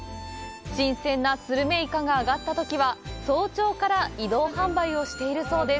新鮮なスルメイカが揚がったときは早朝から移動販売をしているそうです。